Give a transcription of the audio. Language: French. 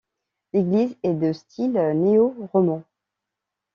L’église est de style néo-roman.